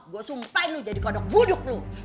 gua sumpahin lu jadi kodok buduk lu